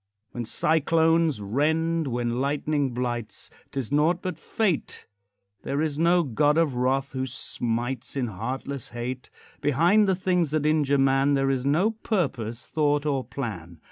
When cyclones rend when lightning blights, 'Tis naught but fate; There is no God of wrath who smites In heartless hate. Behind the things that injure man There is no purpose, thought, or plan.